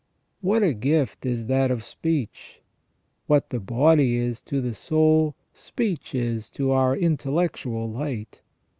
What a gift is that of speech. What the body is to the soul, speech is to our intellectual light.